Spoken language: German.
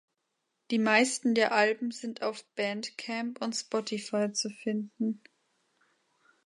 Die meisten der Alben sind auf Bandcamp und Spotify zu finden.